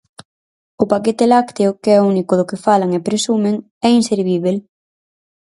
O paquete lácteo, que é o único do que falan e presumen, é inservíbel.